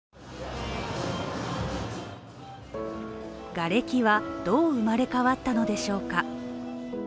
がれきは、どう生まれ変わったのでしょうか。